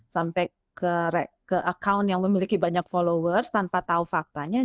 sampai ke akun yang memiliki banyak followers tanpa tahu faktanya